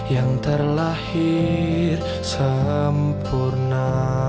yang terlahir sempurna